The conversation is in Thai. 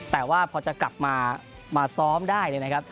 แต่ว่าพอจะกลับมาซ้อมได้เลยนะครับ